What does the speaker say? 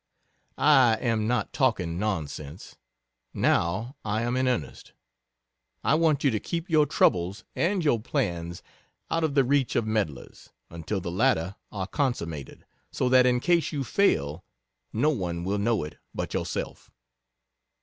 I am not talking nonsense, now I am in earnest, I want you to keep your troubles and your plans out of the reach of meddlers, until the latter are consummated, so that in case you fail, no one will know it but yourself.